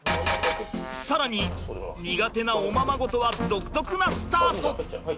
更に苦手なおままごとは独特なスタート。